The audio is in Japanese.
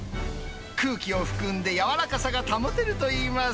空気を含んでやわらかさが保てるといいます。